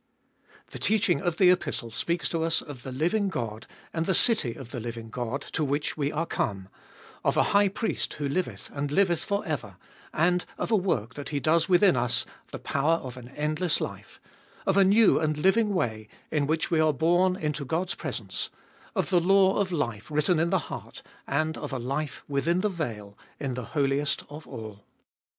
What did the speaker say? The teaching of the Epistle speaks to us of the living God and the city of the living God to which we are come ; of a High Priest who liveth, and liveth for ever, and of a work that He does within us, the power of an endless life ; of a new and living way, in which we are borne into God's presence ; of the law of life written in the heart, and of a life within the veil, in the Holiest of All.